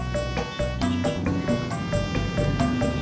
seperti ini make kebo